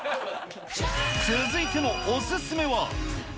続いてのお勧めは。